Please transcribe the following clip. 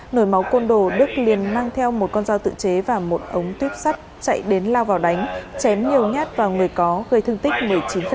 nổi máu côn đồ đức liền mang theo một con dao tự chế và một ống tuyếp sắt chạy đến lao vào đánh chém nhiều nhát vào người có gây thương tích một mươi chín